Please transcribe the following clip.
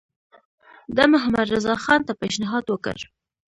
ده محمدرضاخان ته پېشنهاد وکړ.